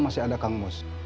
di dalam masih ada kangmos